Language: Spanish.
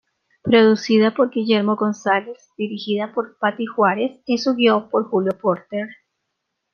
Producida por Guillermo González, dirigida por Paty Juárez y su guion por Julio Porter.